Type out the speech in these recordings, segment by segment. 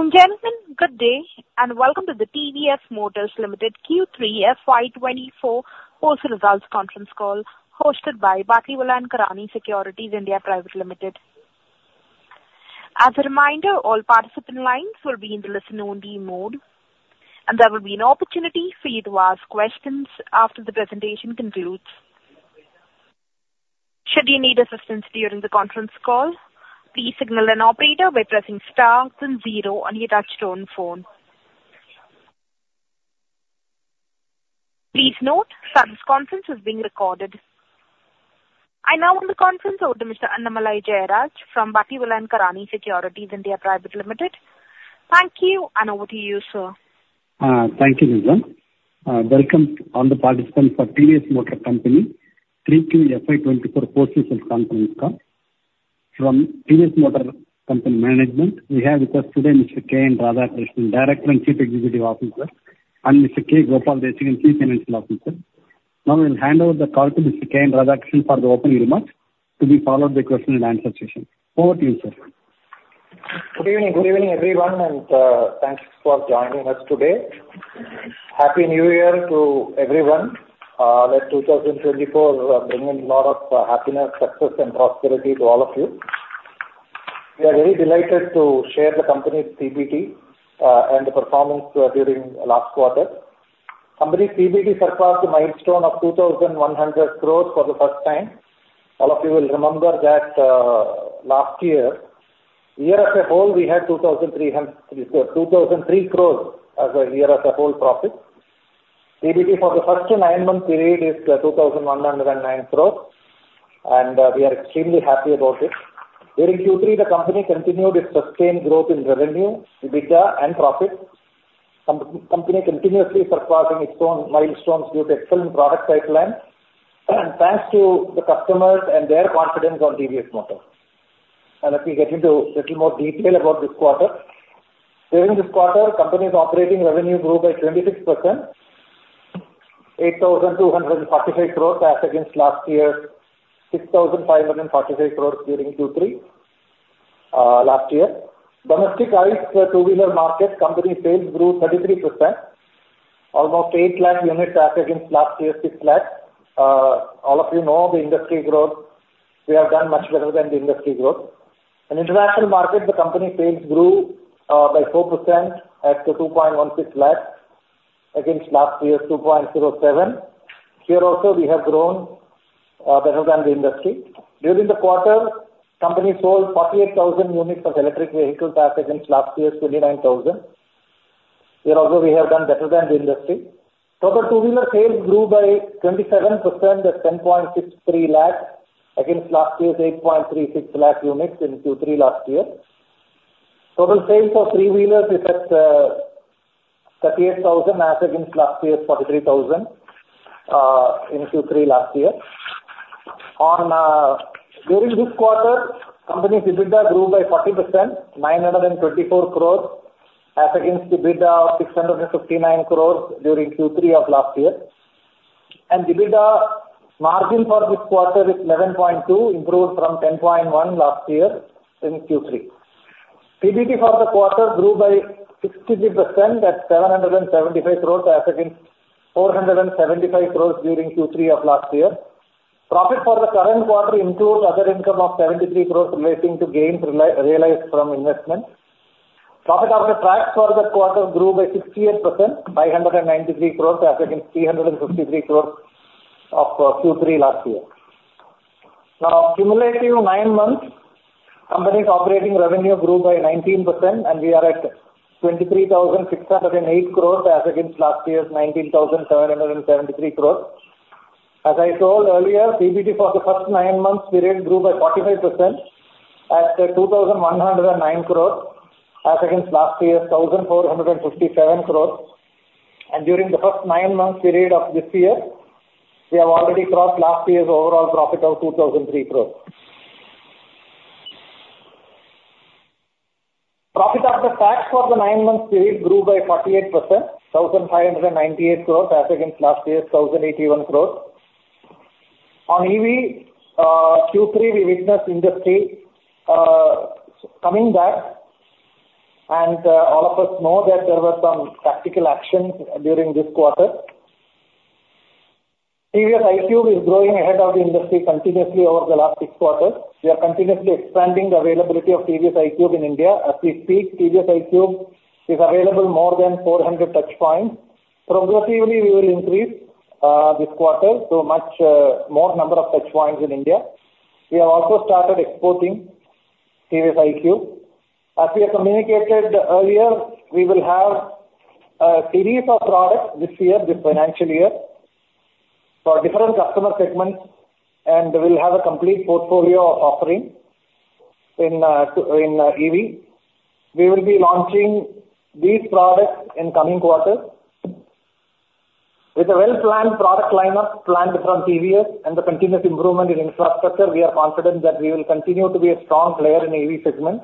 Ladies and gentlemen, good day, and welcome to the TVS Motor Company Limited Q3 FY24 Post-results Conference Call, hosted by Batlivala & Karani Securities India Pvt. Ltd. As a reminder, all participant lines will be in the listen-only mode, and there will be an opportunity for you to ask questions after the presentation concludes. Should you need assistance during the conference call, please signal an operator by pressing star then zero on your touchtone phone. Please note that this conference is being recorded. I now hand the conference over to Mr. Annamalai Jayaraj from Batlivala & Karani Securities India Pvt. Ltd. Thank you, and over to you, sir. Thank you, Nilam. Welcome all the participants for TVS Motor Company Q3 FY24 post results conference call. From TVS Motor Company management, we have with us today Mr. K.N. Radhakrishnan, Director and Chief Executive Officer, and Mr. K. Gopalakrishnan, Chief Financial Officer. Now, we'll hand over the call to Mr. K.N. Radhakrishnan for the opening remarks, to be followed by question and answer session. Over to you, sir. Good evening, good evening, everyone, and thanks for joining us today. Happy New Year to everyone. May 2024 bring in lot of happiness, success, and prosperity to all of you. We are very delighted to share the company's PBT and the performance during last quarter. Company's PBT surpassed the milestone of 2,100 crore for the first time. All of you will remember that last year, year as a whole, we had 2,003 crore as a year as a whole profit. PBT for the first nine-month period is 2,109 crore, and we are extremely happy about it. During Q3, the company continued its sustained growth in revenue, EBITDA and profit. Company continuously surpassing its own milestones due to excellent product pipeline, and thanks to the customers and their confidence on TVS Motor. Let me get into little more detail about this quarter. During this quarter, company's operating revenue grew by 26%, 8,245 crore as against last year, 6,545 crore during Q3 last year. Domestic ICE two-wheeler market, company sales grew 33%, almost 800,000 units as against last year's 600,000. All of you know the industry growth. We have done much better than the industry growth. In international market, the company sales grew by 4% at 216,000 against last year's 207,000. Here also, we have grown better than the industry. During the quarter, company sold 48,000 units of electric vehicles as against last year's 29,000. Here also, we have done better than the industry. Total two-wheeler sales grew by 27% at 10.63 lakh units against last year's 8.36 lakh units in Q3 last year. Total sales for three-wheelers is at 38,000 as against last year's 43,000 in Q3 last year. During this quarter, company's EBITDA grew by 40%, 924 crore as against EBITDA of 659 crore during Q3 of last year. EBITDA margin for this quarter is 11.2%, improved from 10.1% last year in Q3. PBT for the quarter grew by 63% at 775 crore as against 475 crore during Q3 of last year. Profit for the current quarter includes other income of 73 crores relating to gains realized from investment. Profit after tax for the quarter grew by 68%, 593 crores as against 353 crores of Q3 last year. Now, cumulative nine months, company's operating revenue grew by 19%, and we are at 23,608 crores as against last year's 19,773 crores. As I told earlier, PBT for the first nine-month period grew by 45% at 2,109 crores as against last year's 1,457 crores. During the first nine-month period of this year, we have already crossed last year's overall profit of 2,003 crores. Profit after tax for the nine-month period grew by 48%, 1,598 crores as against last year's 1,081 crores. On EV, Q3, we witnessed industry coming back, and all of us know that there were some tactical actions during this quarter. TVS iQube is growing ahead of the industry continuously over the last 6 quarters. We are continuously expanding the availability of TVS iQube in India. As we speak, TVS iQube is available more than 400 touchpoints. Progressively, we will increase this quarter to much more number of touchpoints in India. We have also started exporting TVS iQube. As we have communicated earlier, we will have a series of products this year, this financial year, for different customer segments, and we will have a complete portfolio of offerings in, in EV. We will be launching these products in coming quarters. With a well-planned product lineup planned from TVS and the continuous improvement in infrastructure, we are confident that we will continue to be a strong player in EV segment.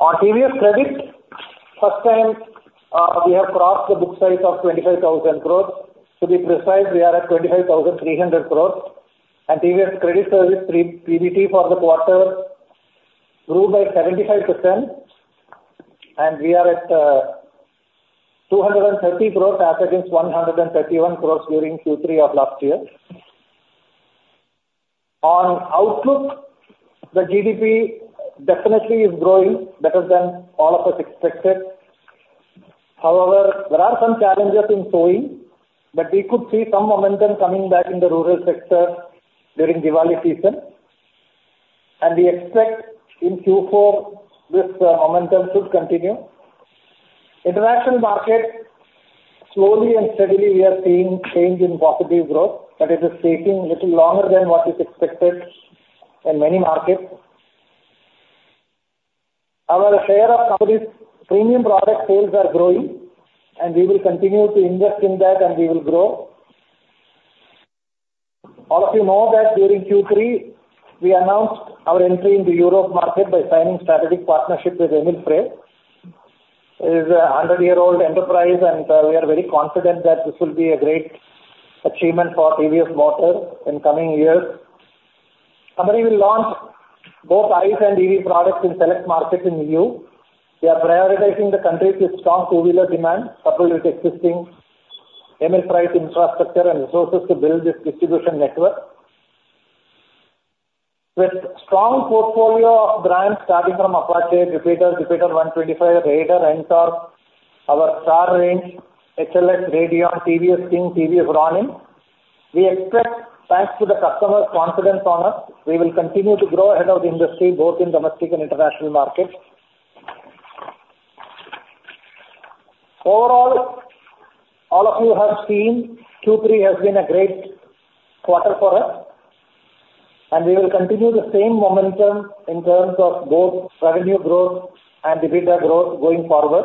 On TVS Credit, first time, we have crossed the book size of 25,000 crore. To be precise, we are at 25,300 crore, TVS Credit Service pre-pbt for the quarter grew by 75%, and we are at 230 crore against 131 crore during Q3 of last year. On outlook, the GDP definitely is growing better than all of us expected. However, there are some challenges in towing, but we could see some momentum coming back in the rural sector during Diwali season, and we expect in Q4, this momentum should continue. International market, slowly and steadily, we are seeing change in positive growth, but it is taking little longer than what is expected in many markets. Our share of company's premium product sales are growing, and we will continue to invest in that, and we will grow. All of you know that during Q3, we announced our entry into Europe market by signing strategic partnership with Emil Frey. It is a 100-year-old enterprise, and we are very confident that this will be a great achievement for TVS Motor in coming years. Company will launch both ICE and EV products in select markets in EU. We are prioritizing the countries with strong two-wheeler demand, coupled with existing Emil Frey infrastructure and resources to build this distribution network. With strong portfolio of brands starting from Apache, Jupiter, Jupiter 125, Raider, Ntorq, our star range, XLs, Radeon, TVS King, TVS Ronin, we expect, thanks to the customer confidence on us, we will continue to grow ahead of the industry, both in domestic and international markets. Overall, all of you have seen Q3 has been a great quarter for us, and we will continue the same momentum in terms of both revenue growth and EBITDA growth going forward.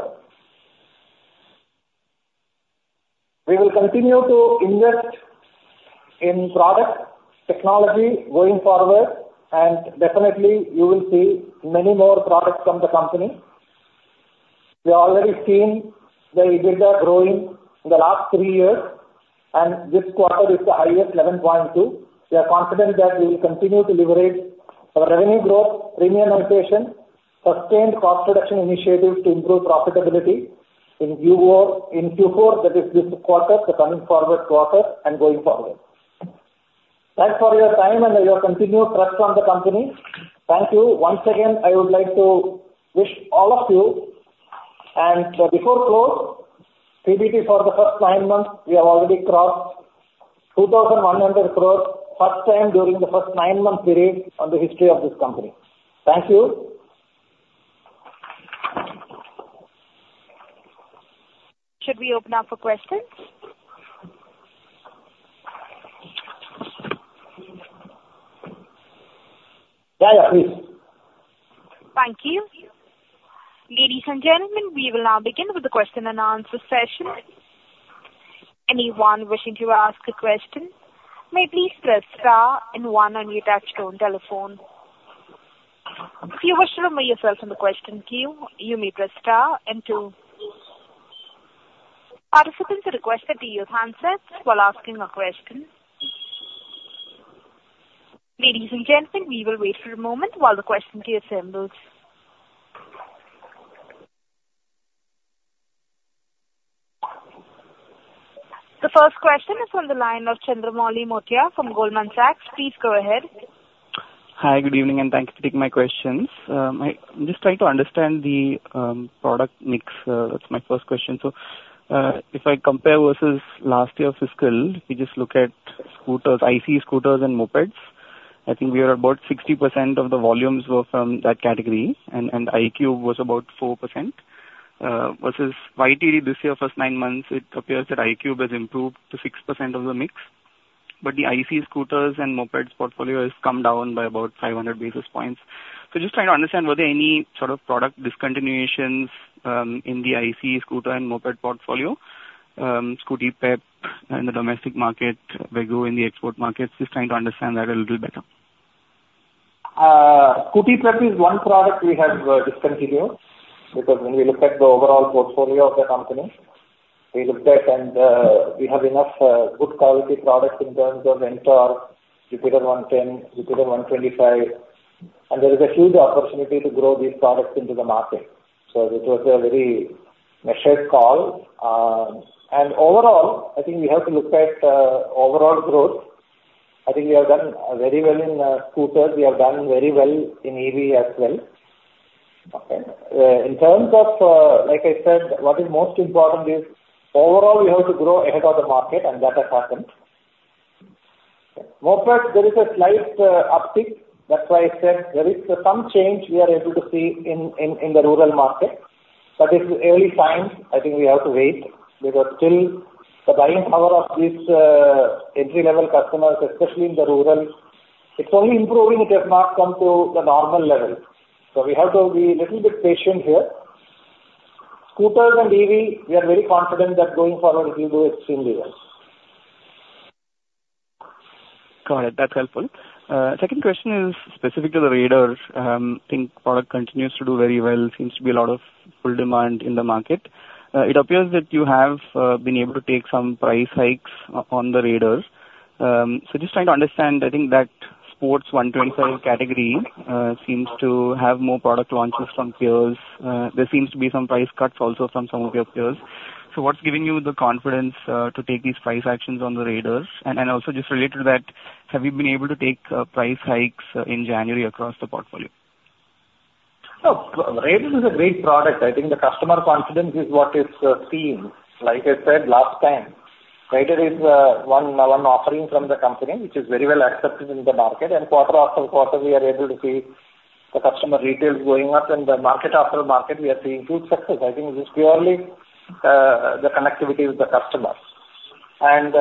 We will continue to invest in product technology going forward, and definitely, you will see many more products from the company. We have already seen the EBITDA growing in the last three years, and this quarter is the highest, 7.2. We are confident that we will continue to leverage our revenue growth, premiumization, sustained cost reduction initiatives to improve profitability in Q4, in Q4, that is this quarter, the coming forward quarter and going forward. Thanks for your time and your continued trust on the company. Thank you. Once again, I would like to wish all of you, and before close, PBT for the first nine months, we have already crossed 2,100 crore, first time during the first nine-month period in the history of this company. Thank you. Should we open up for questions? Yeah, yeah, please. Thank you. Ladies and gentlemen, we will now begin with the question-and-answer session. Anyone wishing to ask a question may please press star and one on your touchtone telephone. If you wish to remove yourself from the question queue, you may press star and two. Participants are requested to use handsets while asking a question. Ladies and gentlemen, we will wait for a moment while the question queue assembles. The first question is on the line of Chandramouli Muthiah from Goldman Sachs. Please go ahead. Hi, good evening, and thanks for taking my questions. Just trying to understand the product mix. That's my first question. So, if I compare versus last year fiscal, we just look at scooters, IC scooters and mopeds. I think we are about 60% of the volumes were from that category, and iQube was about 4%, versus YTD this year, first 9 months, it appears that iQube has improved to 6% of the mix, but the IC scooters and mopeds portfolio has come down by about 500 basis points. So just trying to understand, were there any sort of product discontinuations, in the IC scooter and moped portfolio, Scooty Pep in the domestic market, Wego in the export markets, just trying to understand that a little better. Scooty Pep is one product we have discontinued, because when we looked at the overall portfolio of the company, we looked at and we have enough good quality products in terms of Ntorq, Jupiter 110, Jupiter 125, and there is a huge opportunity to grow these products into the market. So it was a very measured call. Overall, I think we have to look at overall growth. I think we have done very well in scooters. We have done very well in EV as well. Okay. In terms of, like I said, what is most important is overall, we have to grow ahead of the market, and that has happened. Mopeds, there is a slight uptick. That's why I said there is some change we are able to see in the rural market, but it's early signs. I think we have to wait, because still, the buying power of these entry-level customers, especially in the rural, it's only improving. It has not come to the normal level. So we have to be little bit patient here. Scooters and EV, we are very confident that going forward, it will do extremely well.... Got it. That's helpful. Second question is specific to the Raider. I think product continues to do very well, seems to be a lot of pull demand in the market. It appears that you have been able to take some price hikes on the Raider. So just trying to understand, I think that sports 125 category seems to have more product launches from peers. There seems to be some price cuts also from some of your peers. So what's giving you the confidence to take these price actions on the Raider? And also just related to that, have you been able to take price hikes in January across the portfolio? No, Raider is a great product. I think the customer confidence is what is seen. Like I said last time, Raider is one offering from the company, which is very well accepted in the market, and quarter after quarter, we are able to see the customer retails going up, and the market after market, we are seeing good success. I think it is purely the connectivity with the customers. And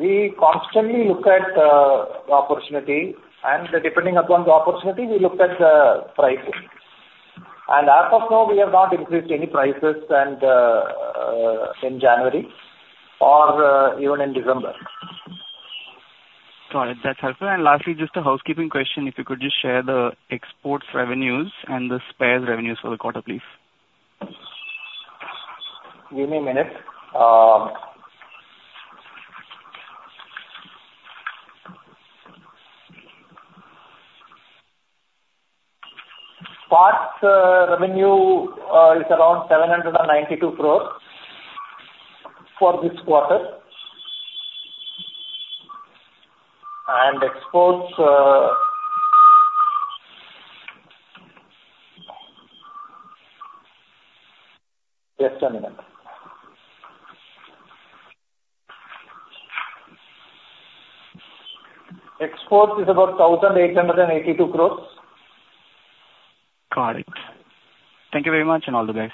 we constantly look at opportunity, and depending upon the opportunity, we looked at the pricing. And as of now, we have not increased any prices and in January or even in December. Got it. That's helpful. And lastly, just a housekeeping question: If you could just share the export revenues and the spares revenues for the quarter, please. Give me a minute. Parts revenue is around 792 crore for this quarter. Exports is about 1,882 crore. Got it. Thank you very much, and all the best.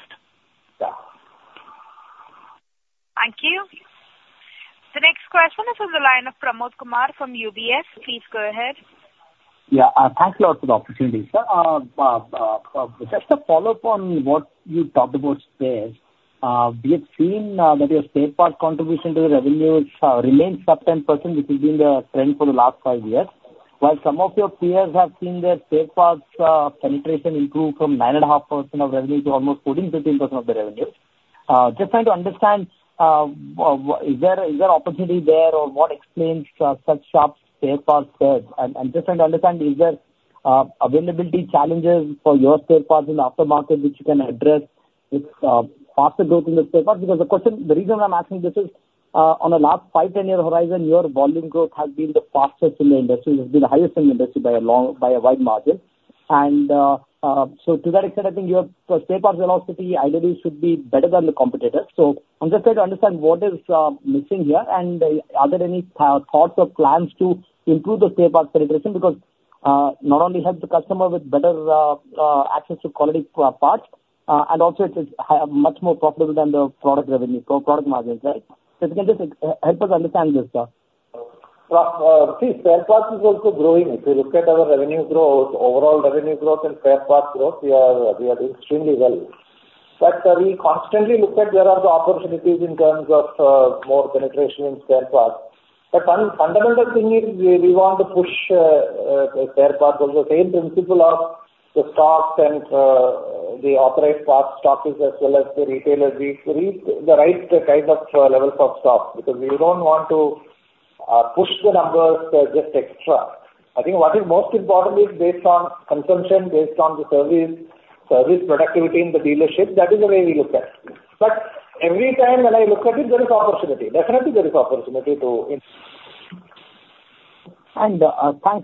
Yeah. Thank you. The next question is on the line of Pramod Kumar from UBS. Please go ahead. Yeah. Thank you all for the opportunity, sir. Just a follow-up on what you talked about spares. We have seen that your spare parts contribution to the revenues remains some 10%, which has been the trend for the last 5 years. While some of your peers have seen their spare parts penetration improve from 9.5% of revenue to almost 14%-15% of the revenue. Just trying to understand, is there, is there opportunity there, or what explains such sharp spare parts sales? I'm just trying to understand, is there availability challenges for your spare parts in the aftermarket, which you can address with faster growth in the spare parts? Because the question, the reason I'm asking this is, on the last 5, 10-year horizon, your volume growth has been the fastest in the industry. It's been the highest in the industry by a long, by a wide margin. And, so to that extent, I think your spare parts velocity ideally should be better than the competitors. So, I'm just trying to understand what is, missing here, and are there any, thoughts or plans to improve the spare parts penetration? Because not only help the customer with better, access to quality, parts, and also it is, much more profitable than the product revenue, so product margins, right? So, if you can just help us understand this, sir. Well, see, spare parts are also growing. If you look at our revenue growth, overall revenue growth and spare parts growth, we are extremely well. But we constantly look at where are the opportunities in terms of more penetration in spare parts. But fundamental thing is we want to push spare parts on the same principle of the stocks and the authorized parts stocks as well as the retailers. We reach the right kind of levels of stock, because we don't want to push the numbers just extra. I think what is most important is based on consumption, based on the service productivity in the dealership, that is the way we look at it. But every time when I look at it, there is opportunity. Definitely, there is opportunity to it. Thank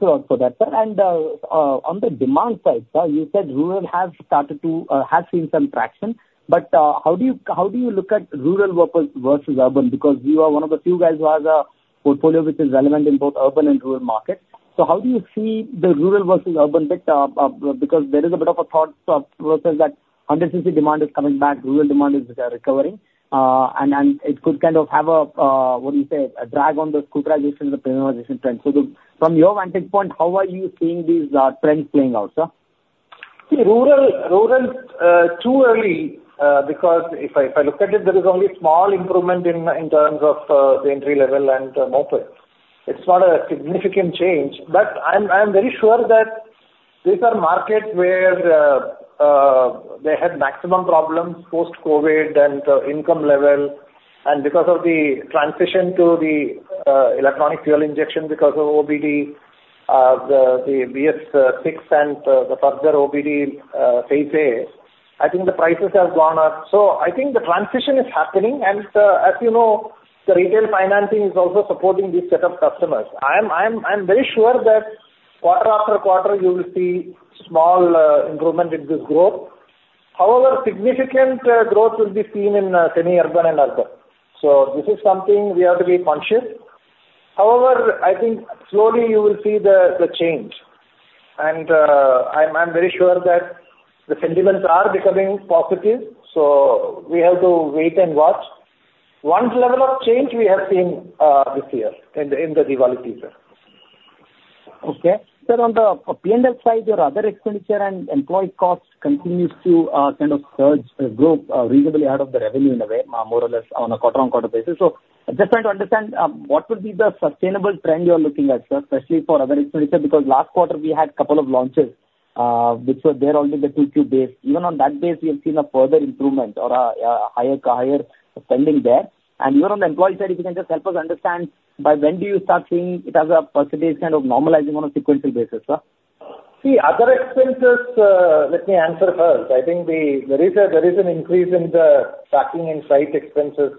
you, a lot, for that, sir. On the demand side, sir, you said rural has started to, has seen some traction, but how do you, how do you look at rural versus urban? Because you are one of the few guys who has a portfolio which is relevant in both urban and rural markets. How do you see the rural versus urban bit, because there is a bit of a thought process that under 110cc demand is coming back, rural demand is recovering, and it could kind of have a, what do you say, a drag on the scootization, the premiumization trend. From your vantage point, how are you seeing these trends playing out, sir? See, rural too early, because if I look at it, there is only small improvement in terms of the entry level and moped. It's not a significant change, but I'm very sure that these are markets where they had maximum problems post-COVID, and the income level, and because of the transition to the electronic fuel injection, because of OBD, the BS-VI, and the further OBD phase A, I think the prices have gone up. So I think the transition is happening, and as you know, the retail financing is also supporting this set of customers. I'm very sure that quarter after quarter, you will see small improvement in this growth. However, significant growth will be seen in semi-urban and urban. So this is something we have to be conscious. However, I think slowly you will see the change, and I'm very sure that the sentiments are becoming positive, so we have to wait and watch. One level of change we have seen this year in the Diwali season.... Okay. Sir, on the P&L side, your other expenditure and employee cost continues to kind of surge, grow reasonably out of the revenue in a way, more or less on a quarter-on-quarter basis. So just trying to understand what would be the sustainable trend you are looking at, sir, especially for other expenditure, because last quarter we had couple of launches which were there only the Q2 days. Even on that base, we have seen a further improvement or a higher, higher spending there. And even on the employee side, if you can just help us understand, by when do you start seeing it as a percentage kind of normalizing on a sequential basis, sir? See, other expenses, let me answer first. I think the, there is a, there is an increase in the packing and freight expenses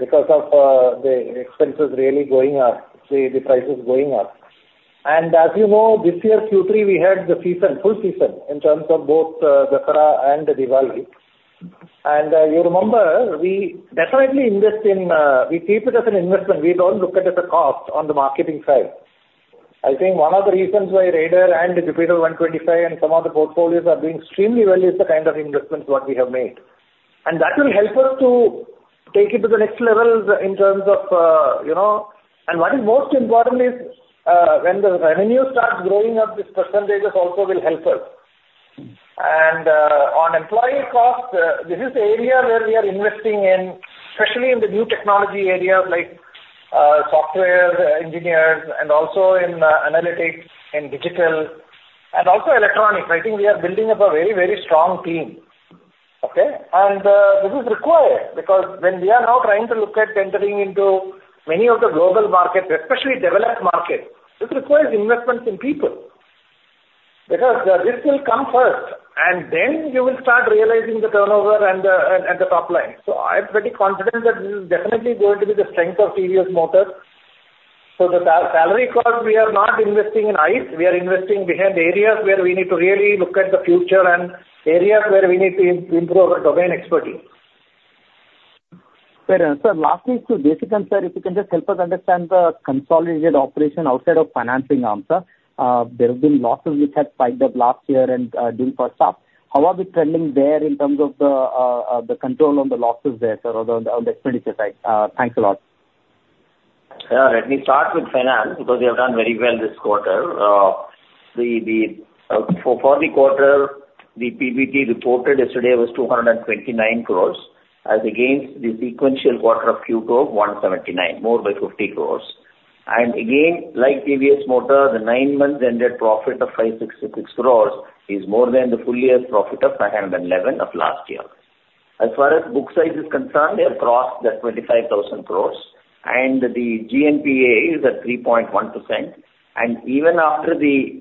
because of, the expenses really going up, the, the prices going up. And as you know, this year, Q3, we had the season, full season in terms of both, Dussehra and Diwali. And, you remember, we definitely invest in, we keep it as an investment. We don't look at it as a cost on the marketing side. I think one of the reasons why Raider and Jupiter 125 and some of the portfolios are doing extremely well is the kind of investments what we have made. And that will help us to take it to the next level in terms of, you know... And what is most important is, when the revenue starts growing up, these percentages also will help us. And, on employee cost, this is the area where we are investing in, especially in the new technology areas like, software engineers and also in, analytics and digital and also electronics. I think we are building up a very, very strong team. Okay? And, this is required, because when we are now trying to look at entering into many of the global markets, especially developed markets, this requires investments in people. Because this will come first, and then you will start realizing the turnover and the top line. So, I'm pretty confident that this is definitely going to be the strength of TVS Motor. The salary cost, we are not investing in ICE, we are investing behind areas where we need to really look at the future and areas where we need to improve our domain expertise. Fair. Sir, lastly, to B. Sriram, sir, if you can just help us understand the consolidated operation outside of financing arm, sir. There have been losses which had spiked up last year and during first half. How are we trending there in terms of the control on the losses there, sir, or on the expenditure side? Thanks a lot. Yeah, let me start with finance, because they have done very well this quarter. For the quarter, the PBT reported yesterday was 229 crore, as against the sequential quarter of Q2, 179 crore, more by 50 crore. And again, like TVS Motor, the nine-month ended profit of 566 crore is more than the full year profit of 511 crore of last year. As far as book size is concerned, they have crossed 25,000 crore, and the GNPA is at 3.1%. And even after the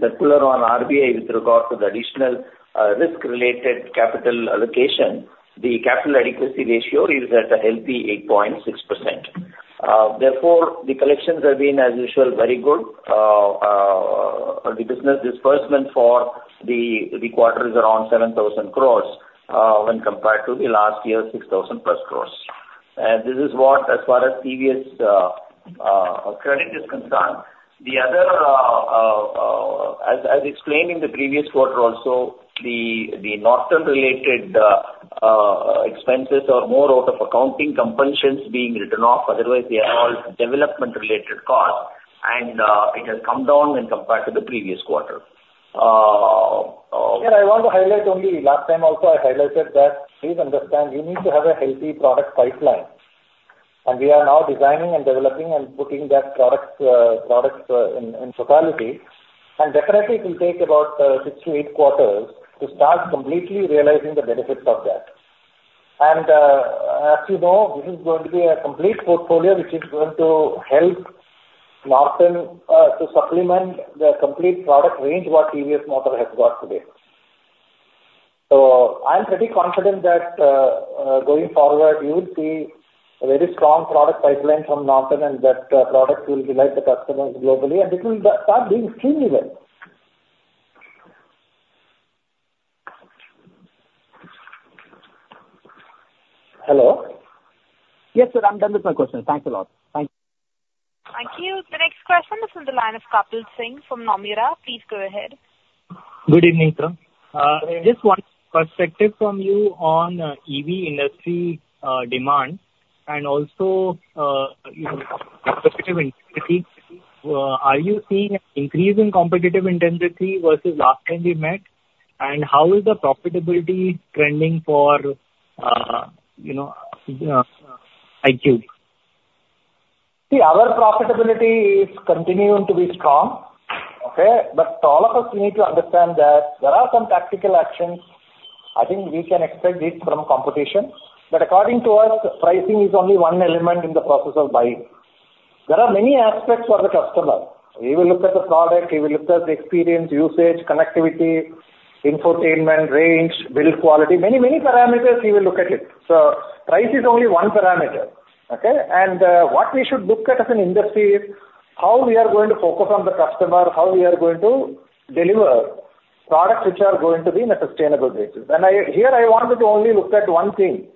circular on RBI with regard to the additional risk-related capital allocation, the capital adequacy ratio is at a healthy 8.6%. Therefore, the collections have been, as usual, very good. The business disbursement for the quarter is around 7,000 crore, when compared to the last year, 6,000+ crore. And this is what, as far as TVS Credit is concerned. The other, as explained in the previous quarter also, the Norton related expenses are more out of accounting compulsions being written off, otherwise, they are all development related costs, and it has come down when compared to the previous quarter. Here, I want to highlight only, last time also I highlighted that please understand, you need to have a healthy product pipeline. And we are now designing and developing and putting that product in totality. And definitely it will take about 6-8 quarters to start completely realizing the benefits of that. And, as you know, this is going to be a complete portfolio, which is going to help Norton to supplement the complete product range what TVS Motor has got today. So I'm pretty confident that, going forward, you will see a very strong product pipeline from Norton, and that, products will delight the customers globally, and it will start doing extremely well. Hello? Yes, sir, I'm done with my questions. Thanks a lot. Thank you. Thank you. The next question is from the line of Kapil Singh from Nomura. Please go ahead. Good evening, sir. I just want perspective from you on EV industry demand, and also, you know, competitive intensity. Are you seeing an increase in competitive intensity versus last time we met? And how is the profitability trending for, you know, iQube? See, our profitability is continuing to be strong, okay? But all of us, we need to understand that there are some tactical actions. I think we can expect it from competition, but according to us, pricing is only one element in the process of buying. There are many aspects for the customer. He will look at the product, he will look at the experience, usage, connectivity, infotainment, range, build quality, many, many parameters he will look at it. So price is only one parameter, okay? And, what we should look at as an industry is, how we are going to focus on the customer, how we are going to deliver products which are going to be in a sustainable basis. And I, here, I wanted to only look at one thing,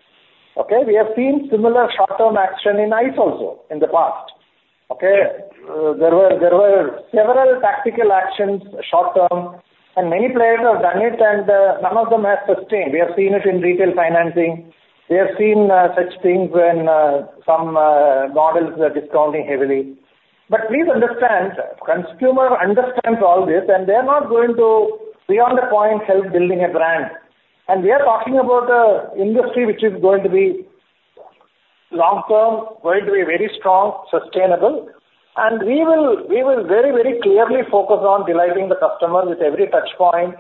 okay? We have seen similar short-term action in ICE also in the past, okay? There were several tactical actions, short term, and many players have done it, and none of them have sustained. We have seen it in retail financing. We have seen such things when some models are discounting heavily. But please understand, consumer understands all this, and they are not going to, beyond the point, help building a brand. And we are talking about an industry which is going to be long-term, going to be very strong, sustainable, and we will very, very clearly focus on delighting the customer with every touch point.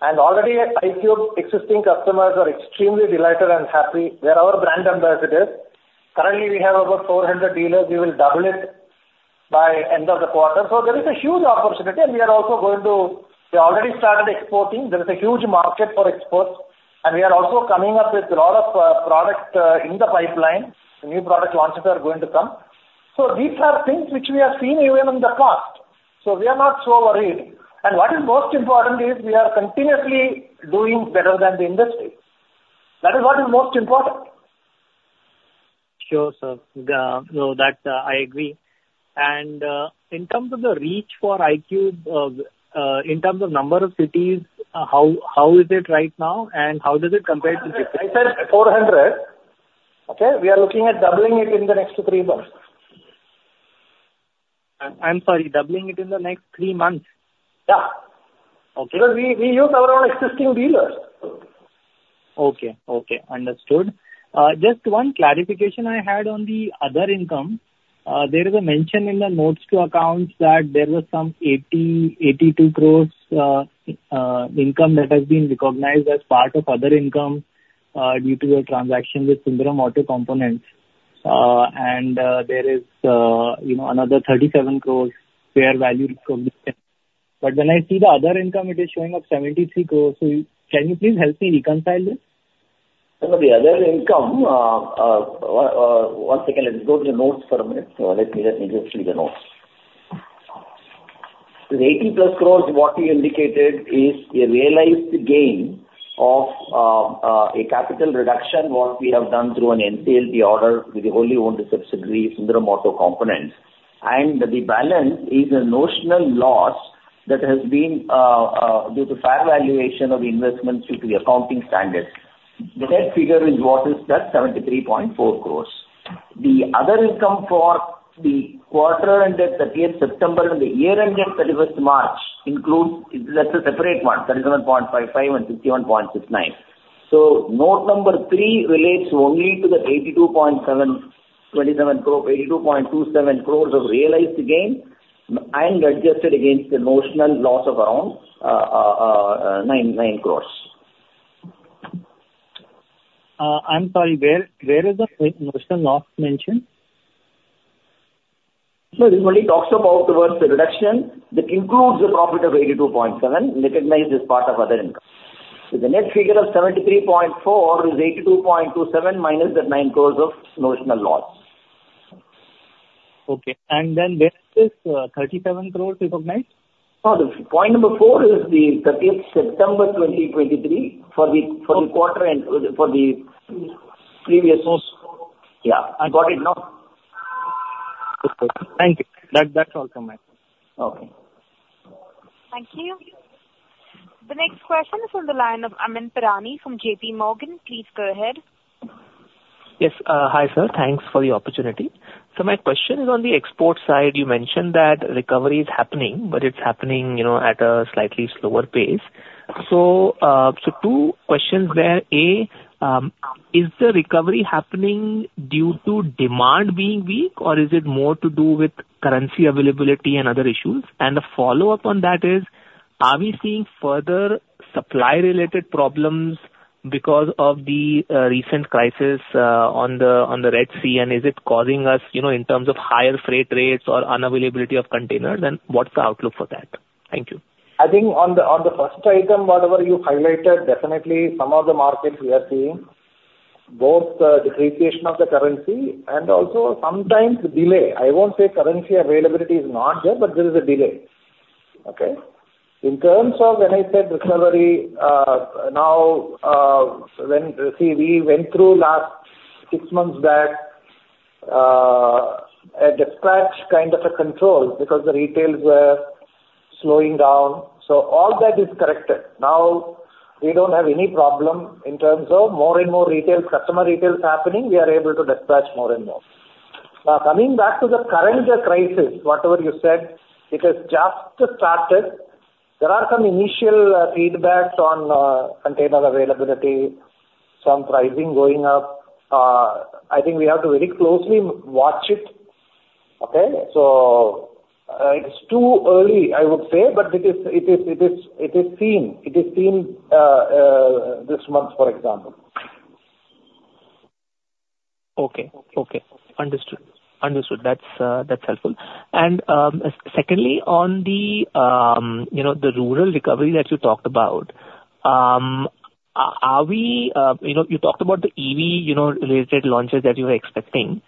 And already iQube existing customers are extremely delighted and happy. We are our brand ambassadors. Currently, we have over 400 dealers. We will double it by end of the quarter. So there is a huge opportunity, and we are also going to. We already started exporting. There is a huge market for exports, and we are also coming up with a lot of product in the pipeline. New product launches are going to come. So these are things which we have seen even in the past, so we are not so worried. What is most important is we are continuously doing better than the industry. That is what is most important. Sure, sir. I agree. In terms of the reach for iQube, in terms of number of cities, how is it right now, and how does it compare to- I said 400, okay? We are looking at doubling it in the next three months. I'm sorry, doubling it in the next three months? Yeah. Okay. Because we use our own existing dealers. Okay. Okay, understood. Just one clarification I had on the other income. There is a mention in the notes to accounts that there was some 82 crores income that has been recognized as part of other income due to a transaction with Sundaram Auto Components. And there is, you know, another 37 crores fair value recognition. But when I see the other income, it is showing up 73 crores. So can you please help me reconcile this? The other income, one second, let me go to the notes for a minute. Let me just read the notes. The 80+ crores, what you indicated is a realized gain of, a capital reduction, what we have done through an NCLT order with the wholly-owned subsidiary, Sundaram Auto Components. And the balance is a notional loss that has been, due to fair valuation of investments due to the accounting standards. The net figure is what is that 73.4 crores. The other income for the quarter ended thirtieth September and the year ended thirty-first March, includes... That's a separate one, 37.55 and 61.69. Note number 3 relates only to the 82.7, 27 crores, 82.27 crores of realized gain, and adjusted against the notional loss of around INR 9 crores. I'm sorry, where is the notional loss mentioned? It only talks about toward the reduction, that includes the profit of 82.7 crore, recognized as part of other income. The net figure of 73.4 crore is 82.27 crore, minus the 9 crore of notional loss. Okay, and then where is this 37 crore recognized? Oh, the point number 4 is the 30th September 2023, for the- Okay. For the quarter end, Previous months. Yeah. I got it now. Okay. Thank you. That, that's all from my end. Okay. Thank you. The next question is on the line of Amyn Pirani from J.P. Morgan. Please go ahead. Yes. Hi, sir. Thanks for the opportunity. So my question is on the export side. You mentioned that recovery is happening, but it's happening, you know, at a slightly slower pace. So, so two questions there: A, is the recovery happening due to demand being weak, or is it more to do with currency availability and other issues? And a follow-up on that is: Are we seeing further supply-related problems because of the recent crisis on the Red Sea, and is it causing us, you know, in terms of higher freight rates or unavailability of containers, and what's the outlook for that? Thank you. I think on the first item, whatever you highlighted, definitely some of the markets we are seeing, both the depreciation of the currency and also sometimes delay. I won't say currency availability is not there, but there is a delay. Okay? In terms of when I said recovery, now. See, we went through last six months that a dispatch kind of a control, because the retails were slowing down. So all that is corrected. Now, we don't have any problem in terms of more and more retail, customer retail is happening. We are able to dispatch more and more. Coming back to the current crisis, whatever you said, it has just started. There are some initial feedbacks on container availability, some pricing going up. I think we have to very closely watch it, okay? So, it's too early, I would say, but it is seen this month, for example. Okay. Okay. Understood. Understood. That's, that's helpful. And, secondly, on the, you know, the rural recovery that you talked about, are we, you know, you talked about the EV, you know, related launches that you were expecting.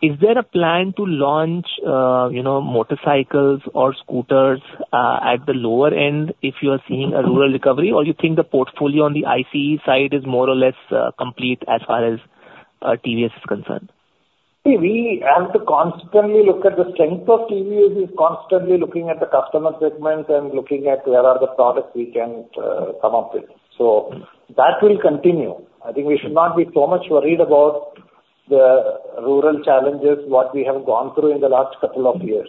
Is there a plan to launch, you know, motorcycles or scooters, at the lower end, if you are seeing a rural recovery, or you think the portfolio on the ICE side is more or less, complete as far as, TVS is concerned?... See, we have to constantly look at the strength of TVS is constantly looking at the customer segments and looking at where are the products we can come up with. So that will continue. I think we should not be so much worried about the rural challenges, what we have gone through in the last couple of years.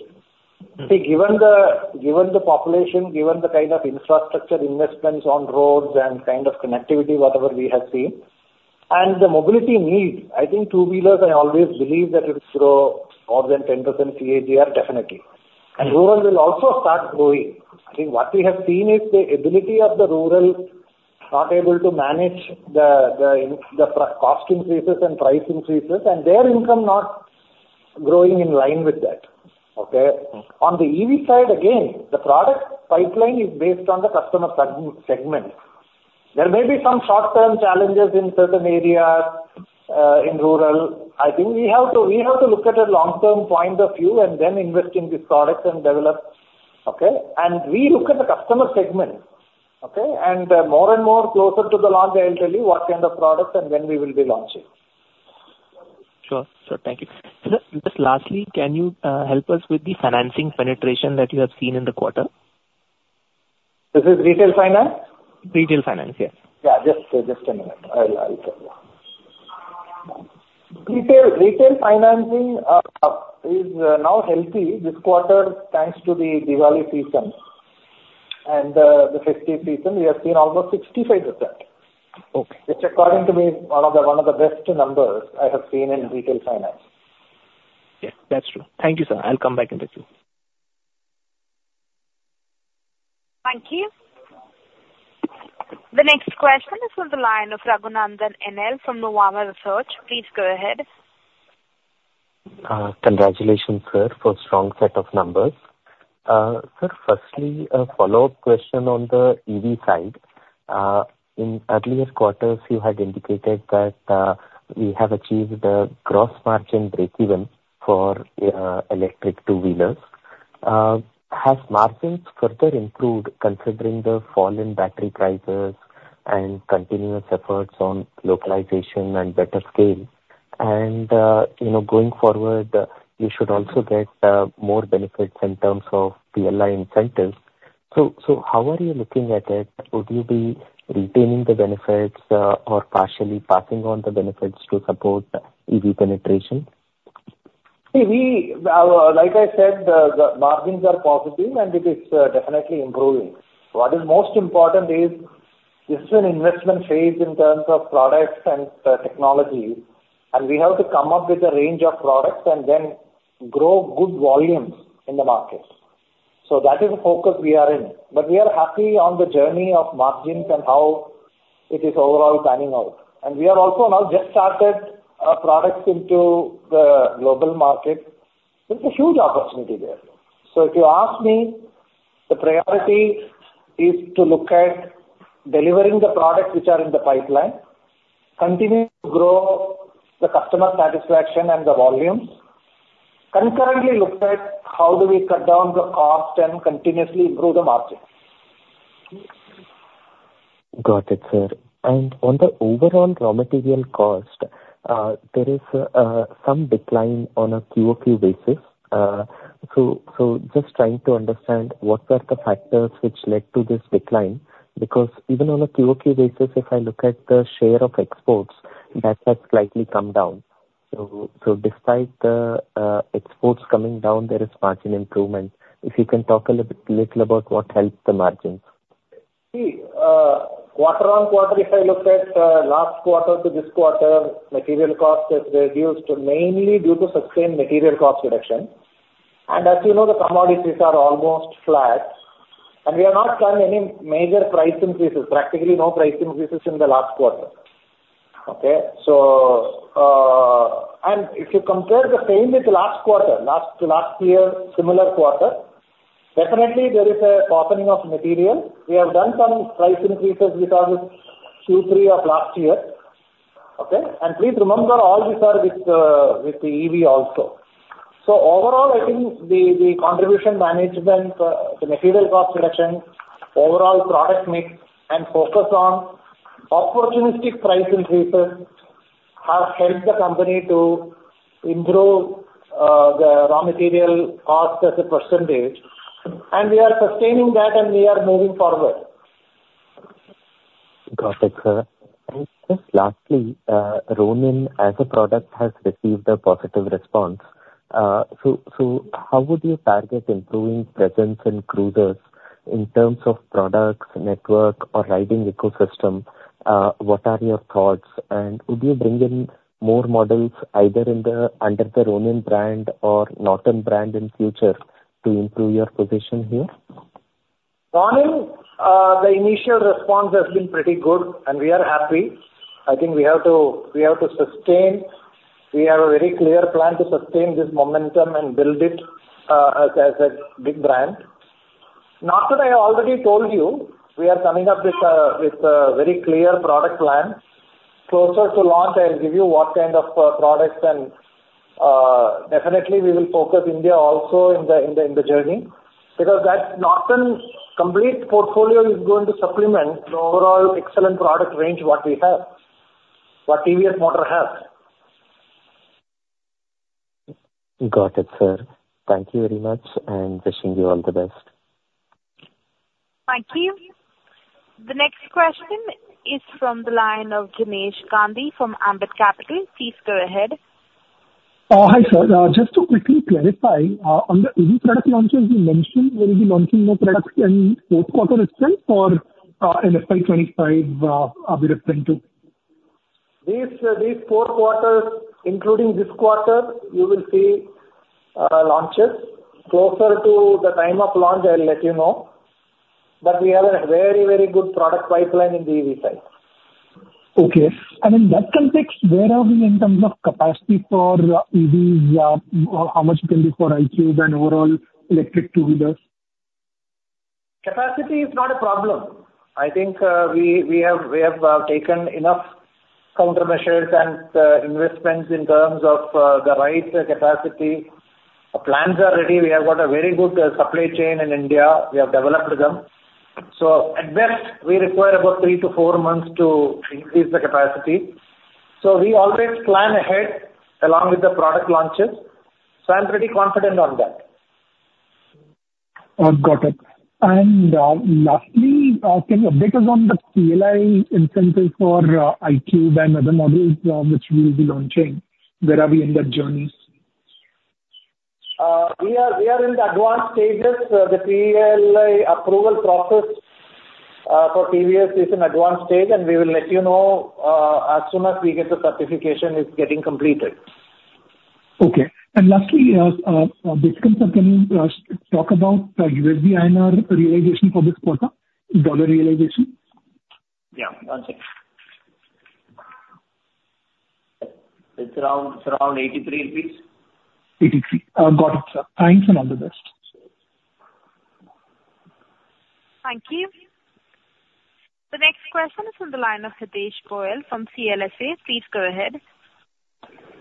See, given the population, given the kind of infrastructure investments on roads and kind of connectivity, whatever we have seen, and the mobility needs, I think two-wheelers, I always believe that it will grow more than 10% CAGR, definitely. And rural will also start growing. I think what we have seen is the ability of the rural not able to manage the cost increases and price increases, and their income not growing in line with that. Okay? On the EV side, again, the product pipeline is based on the customer segment. There may be some short-term challenges in certain areas in rural. I think we have to, we have to look at a long-term point of view and then invest in these products and develop, okay? And we look at the customer segment, okay? And, more and more closer to the launch, I will tell you what kind of products and when we will be launching. Sure. Sure. Thank you. Sir, just lastly, can you help us with the financing penetration that you have seen in the quarter? This is retail finance? Retail finance, yes. Yeah. Just a minute. I'll tell you. Retail financing is now healthy this quarter, thanks to the Diwali season and the festive season. We have seen almost 65%. Okay. Which, according to me, is one of the, one of the best numbers I have seen in retail finance. Yes, that's true. Thank you, sir. I'll come back and with you. Thank you. The next question is from the line of Raghunandhan NL from Nuvama Institutional Equities. Please go ahead. Congratulations, sir, for strong set of numbers. Sir, firstly, a follow-up question on the EV side. In earlier quarters, you had indicated that, we have achieved the gross margin breakeven for, electric two-wheelers. Has margins further improved considering the fall in battery prices and continuous efforts on localization and better scale? And, you know, going forward, you should also get, more benefits in terms of the PLI incentives. So, so how are you looking at it? Would you be retaining the benefits, or partially passing on the benefits to support EV penetration? See, we, like I said, the, the margins are positive and it is, definitely improving. What is most important is this is an investment phase in terms of products and, technology, and we have to come up with a range of products and then grow good volumes in the market. So that is the focus we are in. But we are happy on the journey of margins and how it is overall panning out. And we have also now just started our products into the global market. There's a huge opportunity there. So if you ask me, the priority is to look at delivering the products which are in the pipeline, continue to grow the customer satisfaction and the volumes, concurrently look at how do we cut down the cost and continuously improve the margins. Got it, sir. On the overall raw material cost, there is some decline on a quarter-over-quarter basis. So, just trying to understand, what are the factors which led to this decline? Because even on a quarter-over-quarter basis, if I look at the share of exports, that has slightly come down. So, despite the exports coming down, there is margin improvement. If you can talk a little bit about what helped the margins. See, quarter on quarter, if I look at, last quarter to this quarter, material cost has reduced, mainly due to sustained material cost reduction. And as you know, the commodities are almost flat, and we have not done any major price increases, practically no price increases in the last quarter. Okay? So, and if you compare the same with last quarter, last to last year, similar quarter, definitely there is a softening of material. We have done some price increases because it's Q3 of last year. Okay? And please remember, all these are with, with the EV also. So overall, I think the contribution management, the material cost reduction, overall product mix and focus on opportunistic price increases, have helped the company to improve, the raw material cost as a percentage, and we are sustaining that and we are moving forward. Got it, sir. And just lastly, Ronin as a product has received a positive response. So, so how would you target improving presence in cruisers in terms of products, network, or riding ecosystem? What are your thoughts? And would you bring in more models either in the, under the Ronin brand or Norton brand in future to improve your position here? Ronin, the initial response has been pretty good, and we are happy. I think we have to, we have to sustain. We have a very clear plan to sustain this momentum and build it, as a, as a big brand. Norton, I already told you, we are coming up with a, with a very clear product plan. Closer to launch, I'll give you what kind of, products and, definitely we will focus India also in the, in the, in the journey, because that Norton complete portfolio is going to supplement the overall excellent product range what we have, what TVS Motor have. Got it, sir. Thank you very much, and wishing you all the best. Thank you. The next question is from the line of Jinesh Gandhi from Ambit Capital. Please go ahead. Hi, sir. Just to quickly clarify, on the EV product launches you mentioned, will you be launching more products in fourth quarter itself or in FY 25, I'll be referring to? These four quarters, including this quarter, you will see launches. Closer to the time of launch, I'll let you know. But we have a very, very good product pipeline in the EV side. Okay. And in that context, where are we in terms of capacity for EVs, or how much it can be for iQube and overall electric two-wheelers? Capacity is not a problem. I think, we have taken enough countermeasures and investments in terms of the right capacity. Our plans are ready. We have got a very good supply chain in India. We have developed them. So, at best, we require about 3-4 months to increase the capacity. So, we always plan ahead along with the product launches, so I'm pretty confident on that. Got it. Lastly, can you update us on the PLI incentive for iQube and other models, which you will be launching? Where are we in that journey? We are, we are in the advanced stages. The PLI approval process for TVS is in advanced stage, and we will let you know as soon as we get the certification is getting completed. Okay. And lastly, can you talk about the INR realization for this quarter, dollar realization? Yeah. One second. It's around, it's around 83 rupees. 83. Got it, sir. Thanks, and all the best. Thank you. The next question is on the line of Hitesh Goel from CLSA. Please go ahead.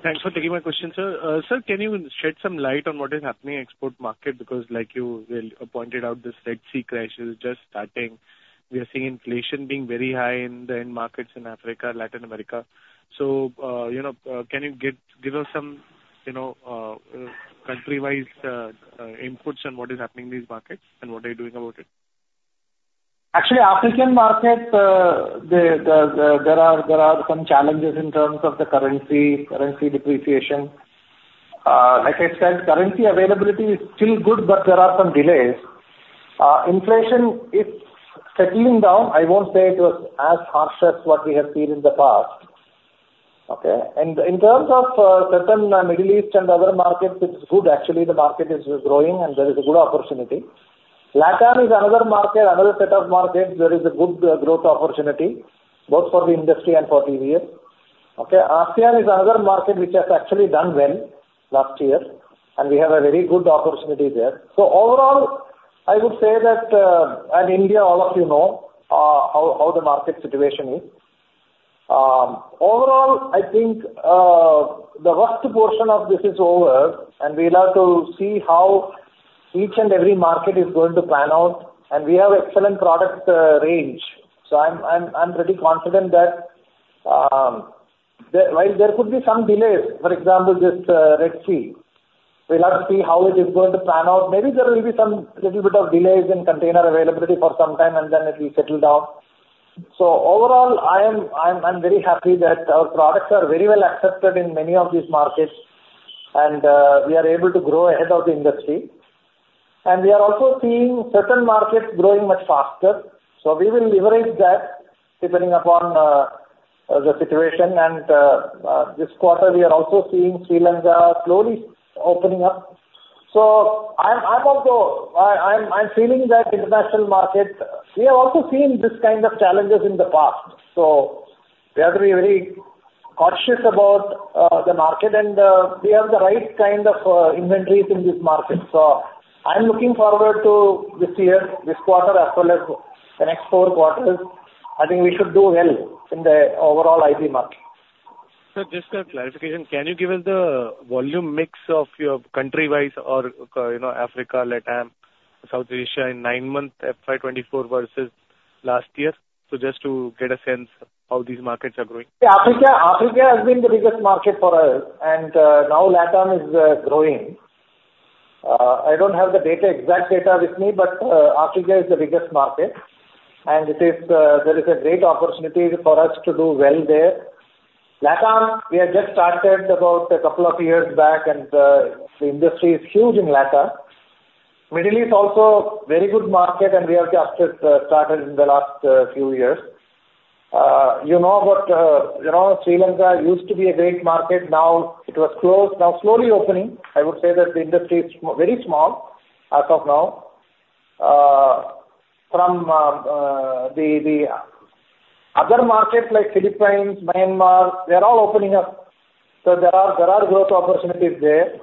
Thanks for taking my question, sir. Sir, can you shed some light on what is happening in export market? Because like you well pointed out, this Red Sea crisis is just starting. We are seeing inflation being very high in the end markets in Africa, Latin America. So, you know, can you give, give us some, you know, country-wise inputs on what is happening in these markets and what are you doing about it? Actually, African markets, there are some challenges in terms of the currency depreciation. Like I said, currency availability is still good, but there are some delays. Inflation is settling down. I won't say it was as harsh as what we have seen in the past, okay? And in terms of certain Middle East and other markets, it's good. Actually, the market is growing and there is a good opportunity. LATAM is another market, another set of markets. There is a good growth opportunity, both for the industry and for TVS, okay? ASEAN is another market which has actually done well last year, and we have a very good opportunity there. So overall, I would say that and India, all of you know how the market situation is. Overall, I think the worst portion of this is over, and we'll have to see how each and every market is going to pan out, and we have excellent product range. So I'm, I'm, I'm pretty confident that while there could be some delays, for example, this Red Sea, we'll have to see how it is going to pan out. Maybe there will be some little bit of delays in container availability for some time, and then it will settle down. So overall, I am, I'm, I'm very happy that our products are very well accepted in many of these markets, and we are able to grow ahead of the industry. And we are also seeing certain markets growing much faster, so we will leverage that depending upon the situation. This quarter, we are also seeing Sri Lanka slowly opening up. So I'm feeling that international market, we have also seen this kind of challenges in the past, so we have to be very cautious about the market, and we have the right kind of inventories in this market. So I'm looking forward to this year, this quarter, as well as the next four quarters. I think we should do well in the overall EV market. Sir, just a clarification, can you give us the volume mix of your country-wise or, you know, Africa, LATAM, South Asia in nine-month FY24 versus last year? So just to get a sense how these markets are growing. Yeah. Africa, Africa has been the biggest market for us, and now LATAM is growing. I don't have the exact data with me, but Africa is the biggest market, and there is a great opportunity for us to do well there. LATAM, we have just started about a couple of years back, and the industry is huge in LATAM. Middle East also very good market, and we have just started in the last few years. You know, but you know, Sri Lanka used to be a great market, now it was closed, now slowly opening. I would say that the industry is very small as of now. From the other markets like Philippines, Myanmar, they're all opening up, so there are growth opportunities there.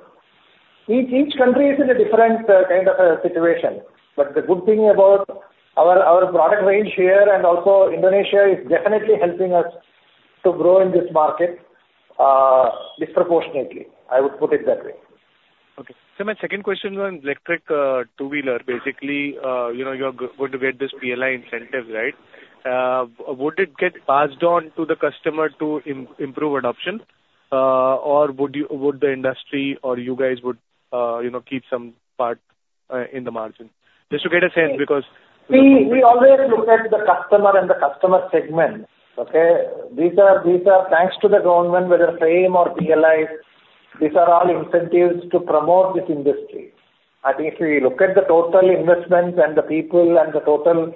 Each country is in a different kind of situation, but the good thing about our product range here and also Indonesia is definitely helping us to grow in this market disproportionately. I would put it that way. Okay. So my second question is on electric two-wheeler. Basically, you know, you're going to get this PLI incentive, right? Would it get passed on to the customer to improve adoption, or would the industry or you guys would, you know, keep some part in the margin? Just to get a sense, because- We always look at the customer and the customer segment, okay? These are thanks to the government, whether FAME or PLI, these are all incentives to promote this industry. I think if we look at the total investments and the people and the total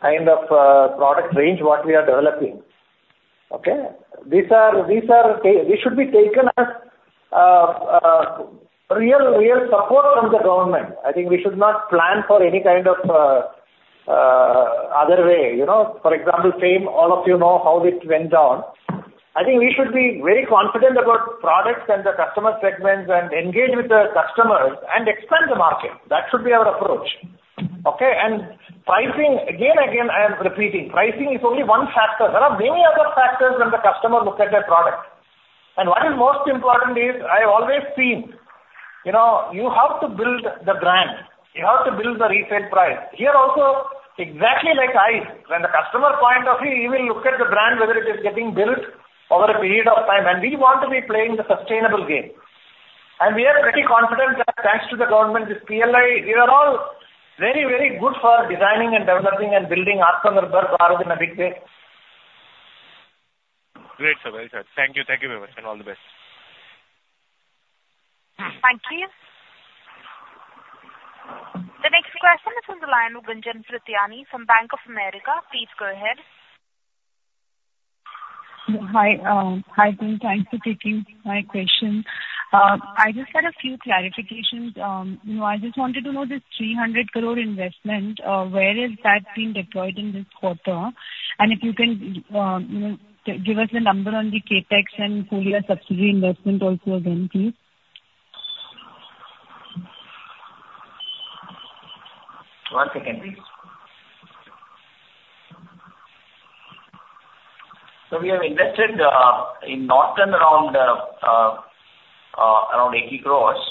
kind of product range, what we are developing, okay? These should be taken as real support from the government. I think we should not plan for any kind of other way, you know. For example, FAME, all of you know how it went down. I think we should be very confident about products and the customer segments, and engage with the customers, and expand the market. That should be our approach, okay? And pricing, again, again, I am repeating, pricing is only one factor. There are many other factors when the customer looks at a product. And what is most important is, I always seem, you know, you have to build the brand, you have to build the resale price. Here also, exactly like ICE, from the customer point of view, he will look at the brand, whether it is getting built over a period of time, and we want to be playing the sustainable game. And we are pretty confident that thanks to the government, this PLI, we are all very, very good for designing and developing and building Ather in a big way. Great, sir. Well said. Thank you. Thank you very much, and all the best. Thank you. The next question is from the line of Gunjan Prithyani from Bank of America. Please go ahead. Hi, hi, good time to take you my question. I just had a few clarifications. You know, I just wanted to know this 300 crore investment, where has that been deployed in this quarter? And if you can, you know, give us a number on the CapEx and full year subsidy investment also again, please. One second, please. So we have invested in Norton around 80 crores,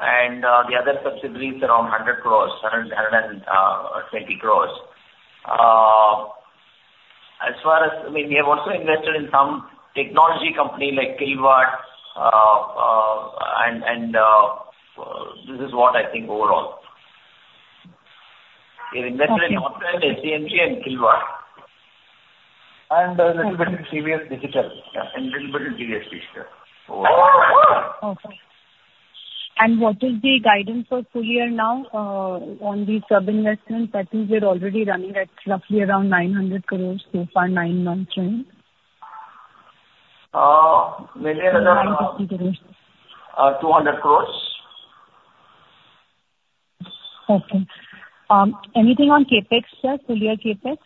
and the other subsidiaries around 100 crores, 120 crores. As far as... I mean, we have also invested in some technology company like Killwatt, and this is what I think overall. We've invested in Norton, SEMG and Killwatt. A little bit in TVS Digital. Yeah, and a little bit in TVS Digital. Okay. And what is the guidance for full year now on the sub-investments? That is, we are already running at roughly around 900 crore so far, nine months end. Million around- INR 950 crore. INR 200 crore. Okay. Anything on CapEx, sir, full year CapEx? CapEx,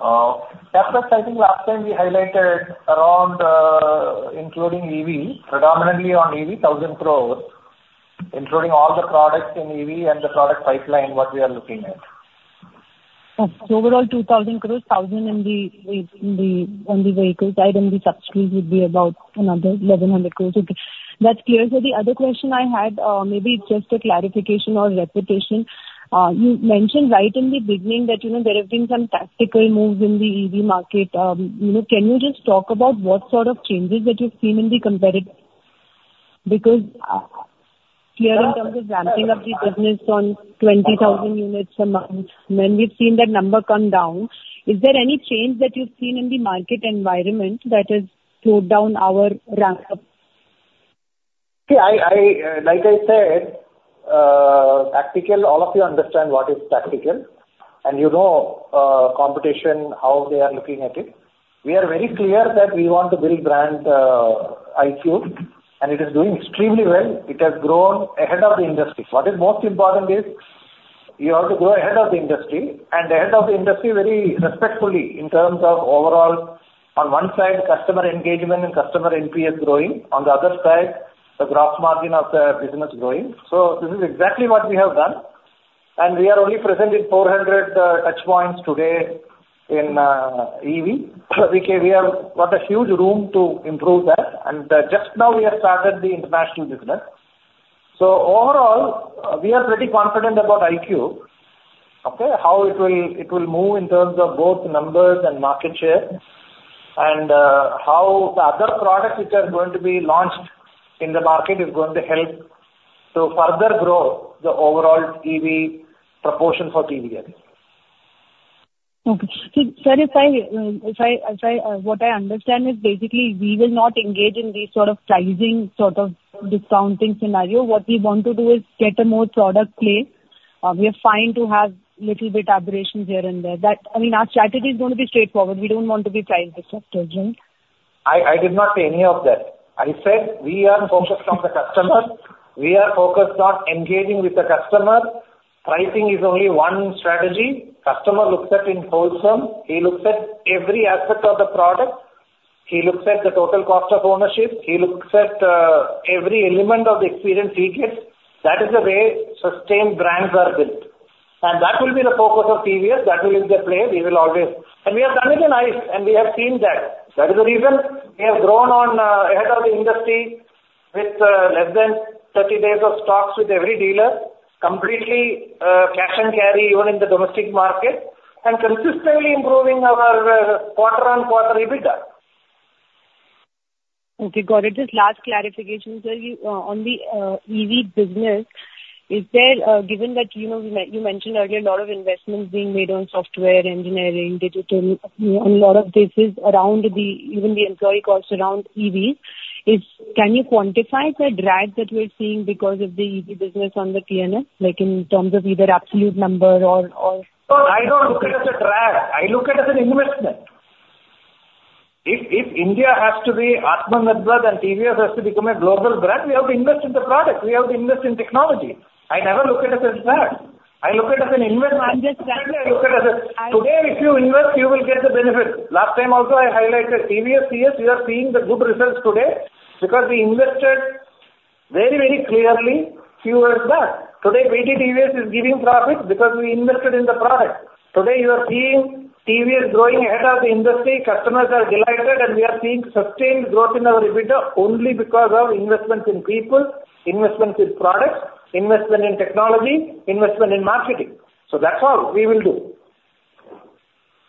I think last time we highlighted around, including EV, predominantly on EV, 1,000 crore, including all the products in EV and the product pipeline, what we are looking at. Okay. So overall, 2,000 crore, 1,000 on the vehicle side, and the subsidies would be about another 1,100 crore. Okay, that's clear. So the other question I had, maybe just a clarification or repetition. You mentioned right in the beginning that, you know, there have been some tactical moves in the EV market. You know, can you just talk about what sort of changes that you've seen in the competitive? Because, clear in terms of ramping up the business on 20,000 units a month, then we've seen that number come down. Is there any change that you've seen in the market environment that has slowed down our ramp-up? See, like I said, tactical, all of you understand what is tactical, and you know, competition, how they are looking at it. We are very clear that we want to build brand iQube, and it is doing extremely well. It has grown ahead of the industry. What is most important is, you have to grow ahead of the industry, and ahead of the industry very respectfully in terms of overall, on one side, customer engagement and customer NPS growing, on the other side, the gross margin of the business growing. So this is exactly what we have done. And we are only present in 400 touchpoints today in EV. So we have got a huge room to improve that. And just now we have started the international business. So overall, we are pretty confident about iQube, okay? How it will, it will move in terms of both numbers and market share, and how the other products which are going to be launched in the market is going to help to further grow the overall EV proportion for TVS. Okay. So, sir, what I understand is basically we will not engage in the sort of pricing, sort of discounting scenario. What we want to do is get a more product place. We are fine to have little bit aberrations here and there. That, I mean, our strategy is going to be straightforward. We don't want to be priced, is that correct? I did not say any of that. I said we are focused on the customer, we are focused on engaging with the customer. Pricing is only one strategy. Customer looks at as a whole, he looks at every aspect of the product. He looks at the total cost of ownership. He looks at every element of the experience he gets. That is the way sustained brands are built, and that will be the focus of TVS. That will be in the play. We will always. And we have done it in ICE, and we have seen that. That is the reason we have grown ahead of the industry with less than 30 days of stocks with every dealer, completely cash and carry even in the domestic market, and consistently improving our quarter-on-quarter EBITDA. Okay, got it. Just last clarification, sir. You on the EV business, is there given that, you know, you mentioned earlier, a lot of investments being made on software, engineering, digital, and a lot of this is around the, even the employee costs around EV. Can you quantify the drag that we're seeing because of the EV business on the TVS, like in terms of either absolute number or? I don't look it as a drag. I look at it as an investment. If, if India has to be Atmanirbhar, then TVS has to become a global brand, we have to invest in the product, we have to invest in technology. I never look at it as a drag. I look at it as an investment. I'm just- I look at it as. Today, if you invest, you will get the benefit. Last time also, I highlighted PT TVS; we are seeing the good results today because we invested very, very clearly towards that. Today, PBT TVS is giving profit because we invested in the product. Today, you are seeing TVS growing ahead of the industry, customers are delighted, and we are seeing sustained growth in our EBITDA only because of investment in people, investment in products, investment in technology, investment in marketing. So that's all we will do.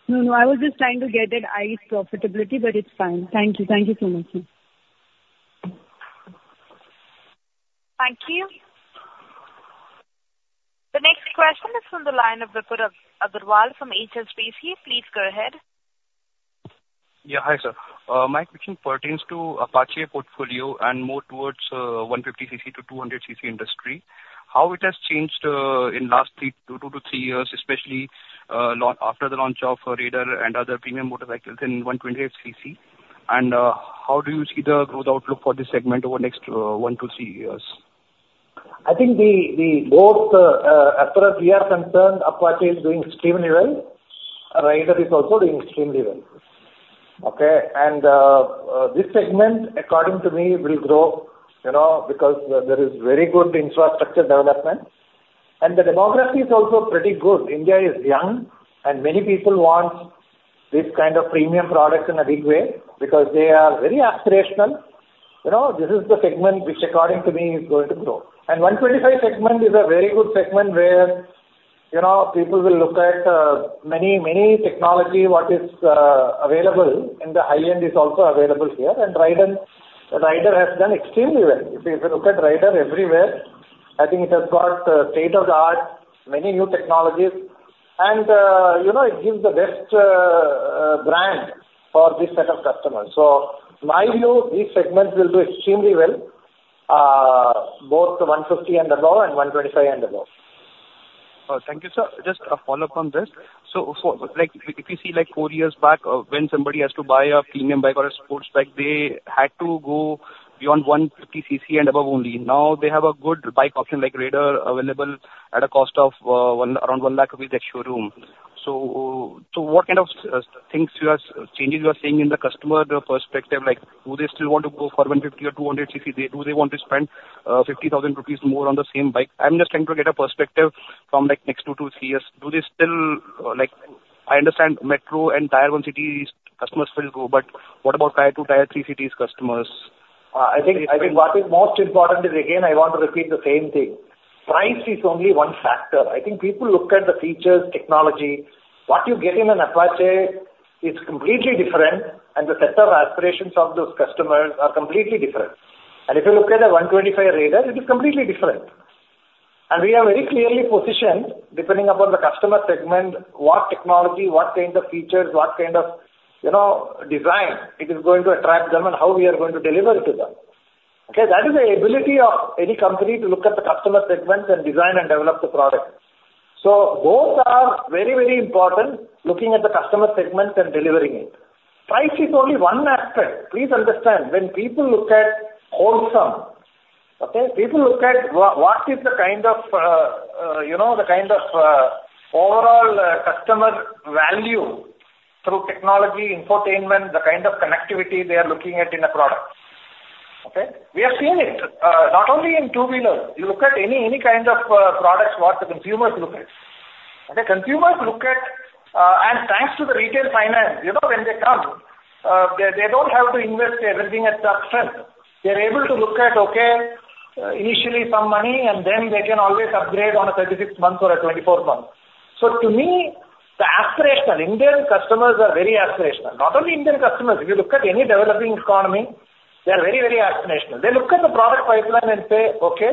No, no, I was just trying to get at ICE profitability, but it's fine. Thank you. Thank you so much, sir. Thank you. The next question is from the line of Vipul Agrawal from HDFC. Please go ahead. Yeah, hi, sir. My question pertains to Apache portfolio and more towards 150 cc to 200 cc industry. How it has changed in last 2-3 years, especially after the launch of Raider and other premium motorcycles in 125 cc? And, how do you see the growth outlook for this segment over the next 1-3 years? I think both, as far as we are concerned, Apache is doing extremely well, and Raider is also doing extremely well. Okay? And this segment, according to me, will grow, you know, because there is very good infrastructure development, and the demography is also pretty good. India is young, and many people want this kind of premium product in a big way because they are very aspirational. You know, this is the segment which, according to me, is going to grow. And 125 segment is a very good segment where, you know, people will look at many, many technology, what is available in the high-end is also available here, and Raider has done extremely well. If you look at Raider everywhere, I think it has got state-of-the-art, many new technologies, and, you know, it gives the best brand for this set of customers. So my view, these segments will do extremely well, both the 150 and below and 125 and below. Thank you, sir. Just a follow-up on this. So for, like, if you see, like, 4 years back, when somebody has to buy a premium bike or a sports bike, they had to go beyond 150 cc and above only. Now, they have a good bike option, like Raider, available at a cost of, around 100,000 rupees ex-showroom. So, so what kind of, things you are, changes you are seeing in the customer perspective? Like, do they still want to go for 150 or 200 cc? Do they want to spend, 50,000 rupees more on the same bike? I'm just trying to get a perspective from, like, next 2 to 3 years. Do they still, like, I understand metro and Tier 1 cities, customers will go, but what about Tier 2, Tier 3 cities customers? I think, I think what is most important is, again, I want to repeat the same thing. Price is only one factor. I think people look at the features, technology. What you get in an Apache is completely different, and the set of aspirations of those customers are completely different. And if you look at the 125 Raider, it is completely different. And we are very clearly positioned, depending upon the customer segment, what technology, what kind of features, what kind of, you know, design it is going to attract them and how we are going to deliver it to them. Okay? That is the ability of any company to look at the customer segments and design and develop the product. So both are very, very important, looking at the customer segments and delivering it. Price is only one aspect. Please understand, when people look at wholesome, okay? People look at what is the kind of, you know, the kind of, overall, customer value through technology, infotainment, the kind of connectivity they are looking at in a product. Okay? We have seen it, not only in two-wheeler. You look at any kind of products, what the consumers look at. Okay, consumers look at, and thanks to the retail finance, you know, when they come, they, they don't have to invest everything at that front. They are able to look at, okay, initially some money, and then they can always upgrade on a 36th month or a 24th month. So to me, the aspirational, Indian customers are very aspirational. Not only Indian customers, if you look at any developing economy, they are very, very aspirational. They look at the product pipeline and say, "Okay,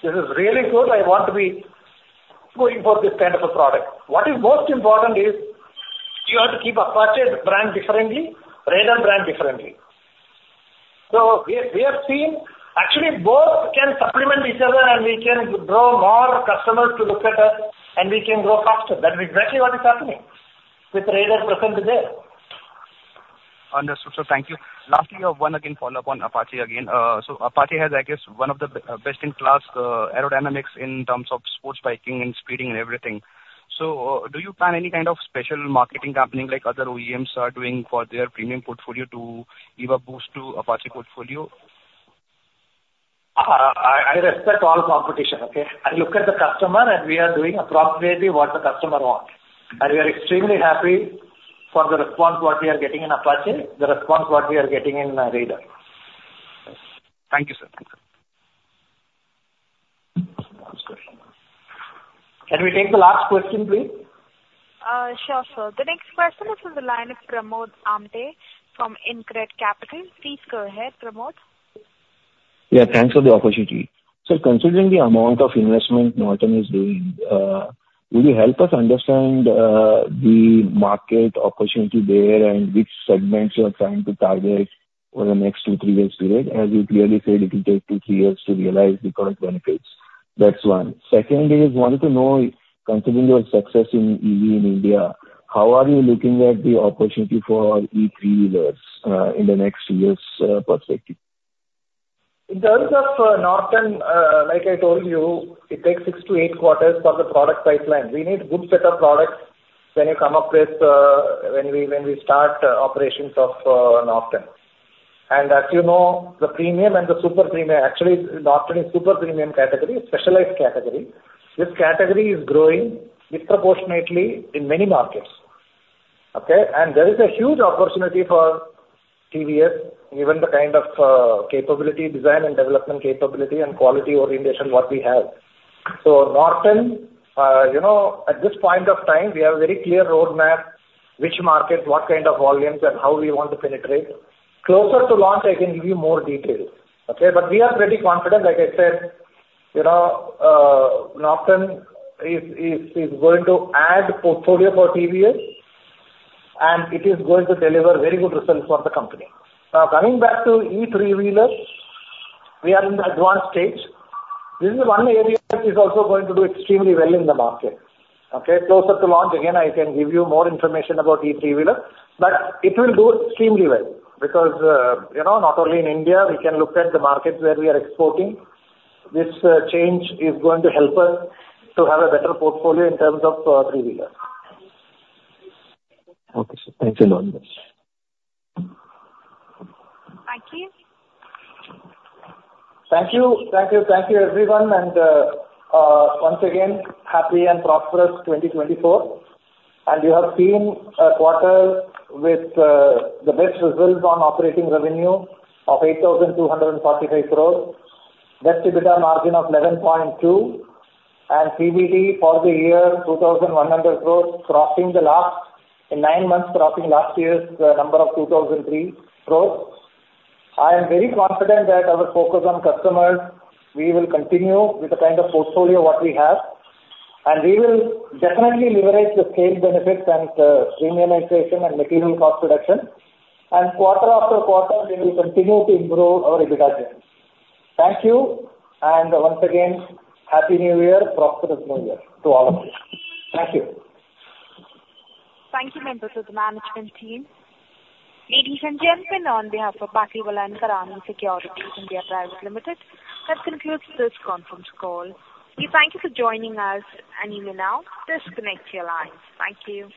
this is really good. I want to be going for this kind of a product." What is most important is you have to keep Apache brand differently, Raider brand differently. So we have seen. Actually, both can supplement each other, and we can draw more customers to look at us, and we can grow faster. That is exactly what is happening with Raider's presence there. Understood, sir. Thank you. Lastly, one again, follow-up on Apache again. So, Apache has, I guess, one of the best-in-class, aerodynamics in terms of sports biking and speeding and everything. So, do you plan any kind of special marketing happening, like other OEMs are doing for their premium portfolio, to give a boost to Apache portfolio? I respect all competition, okay? I look at the customer, and we are doing appropriately what the customer wants. And we are extremely happy for the response what we are getting in Apache, the response what we are getting in Raider. Thank you, sir. Can we take the last question, please? Sure, sir. The next question is from the line of Pramod Amte from InCred Capital. Please go ahead, Pramod. Yeah, thanks for the opportunity. Sir, considering the amount of investment Norton is doing, will you help us understand the market opportunity there and which segments you are trying to target over the next 2-3 years period? As you clearly said, it will take 2-3 years to realize the current benefits. That's one. Second is, wanted to know, considering your success in EV in India, how are you looking at the opportunity for e-three-wheelers in the next years perspective? In terms of, Norton, like I told you, it takes 6-8 quarters for the product pipeline. We need good set of products when you come up with, when we, when we start operations of, Norton. And as you know, the premium and the super-premium, actually, Norton is super premium category, specialized category. This category is growing disproportionately in many markets, okay? And there is a huge opportunity for TVS, given the kind of, capability, design and development capability and quality orientation, what we have. So, Norton, you know, at this point of time, we have a very clear roadmap, which market, what kind of volumes, and how we want to penetrate. Closer to launch, I can give you more details, okay? But we are pretty confident. Like I said, you know, Norton is going to add portfolio for TVS, and it is going to deliver very good results for the company. Now, coming back to e-three-wheeler, we are in the advanced stage. This is one area that is also going to do extremely well in the market, okay? Closer to launch, again, I can give you more information about e-three-wheeler, but it will do extremely well, because, you know, not only in India, we can look at the markets where we are exporting. This change is going to help us to have a better portfolio in terms of three-wheeler. Okay, sir. Thank you very much. Thank you. Thank you. Thank you. Thank you, everyone. Once again, happy and prosperous 2024. You have seen a quarter with the best results on operating revenue of 8,245 crores, net EBITDA margin of 11.2%, and PBT for the year, 2,100 crores, crossing the last, in nine months, crossing last year's number of 2,003 crores. I am very confident that our focus on customers, we will continue with the kind of portfolio what we have, and we will definitely leverage the scale benefits and premiumization and material cost reduction. Quarter after quarter, we will continue to improve our EBITDA gains. Thank you. And once again, Happy New Year, prosperous New Year to all of you. Thank you. Thank you, members of the management team. Ladies and gentlemen, on behalf of Batlivala & Karani Securities India Pvt. Ltd., that concludes this conference call. We thank you for joining us, and you may now disconnect your line. Thank you.